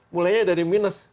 mulainya dari minus